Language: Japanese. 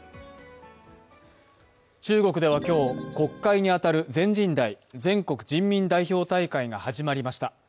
中国では今日、国会に当たる全人代＝全国人民代表大会が始まりました。